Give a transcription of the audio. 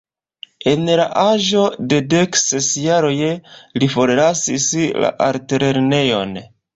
En la aĝo de dek ses jaroj li forlasis la altlernejon.